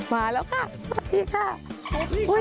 มาแล้วค่ะสวัสดีค่ะ